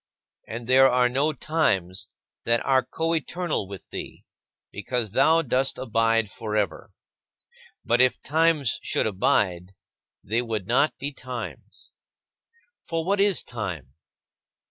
And there are no times that are coeternal with thee, because thou dost abide forever; but if times should abide, they would not be times. For what is time?